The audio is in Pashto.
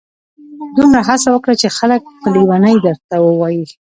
دومره هڅه وکړه چي خلک په لیوني درته ووایي.